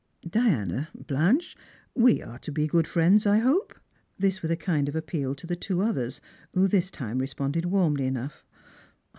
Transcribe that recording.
" Diana, Blanche, we are to be good friends, I hope ?" This with a kind of appeal to the two others, who this time responded warmly enough.